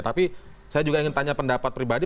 tapi saya juga ingin tanya pendapat pribadi